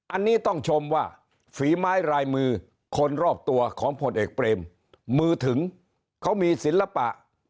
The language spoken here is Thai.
อันนี้ต้องชมว่าฝีไม้ลายมือคนรอบตัวของผลเอกเปรมมือถึงเขามีศิลปะ